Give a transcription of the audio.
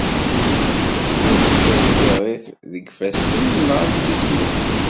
Kra tečča di tiɣrit deg yifassen nɣant tismin.